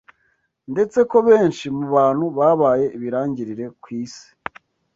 ndetse ko benshi mu bantu babaye ibirangirire ku isi